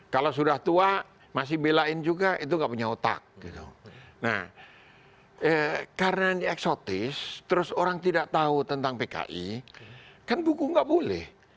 kalau sudah tua masih belain juga itu nggak punya otak nah karena ini eksotis terus orang tidak tahu tentang pki kan buku nggak boleh